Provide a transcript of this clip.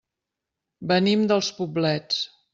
Venim dels Poblets.